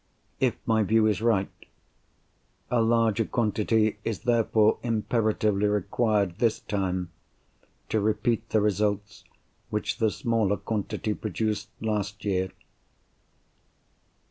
If my view is right, a larger quantity is therefore imperatively required, this time, to repeat the results which the smaller quantity produced, last year.